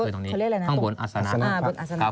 ตรงบนอัศนาครับ